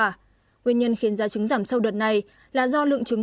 nguyên nhân khiến giá trứng giảm sau đợt này là do lượng trứng